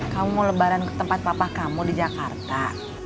kamu mau lebaran ke tempat papa kamu di jakarta